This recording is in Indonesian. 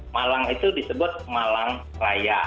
malang itu disebut malang raya